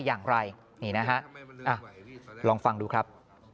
อย่างไรนี่นะฮะลองฟังดูครับ